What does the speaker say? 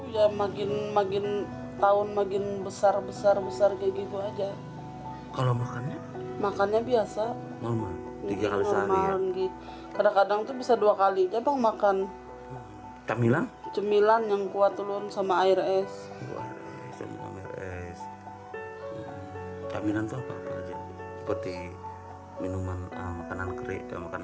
camilan itu apa seperti minuman makanan kering makanan ringan gigi gitu ya